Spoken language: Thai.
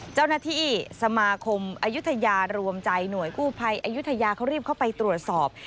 เจ้าหน้าที่สมาคมอายุทยารวมใจหน่วยกู้ภัยอายุทยาเขารีบเข้าไปตรวจสอบ